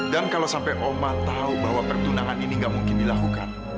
dan kalau sampai umar tahu bahwa pertunangan ini gak mungkin dilakukan